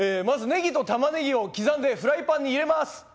まずネギとタマネギを刻んでフライパンに入れます。